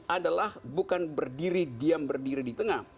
adalah bukan berdiri diam berdiri di tengah